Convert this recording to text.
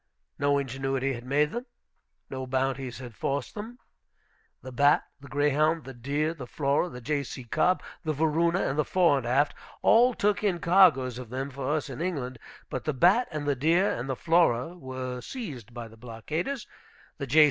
No ingenuity had made them. No bounties had forced them. The Bat, the Greyhound, the Deer, the Flora, the J.C. Cobb, the Varuna, and the Fore and Aft all took in cargoes of them for us in England. But the Bat and the Deer and the Flora were seized by the blockaders, the J.